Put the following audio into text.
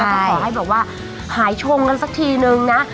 ก็ขอให้แบบว่าหายชมกันสักทีนึงนะ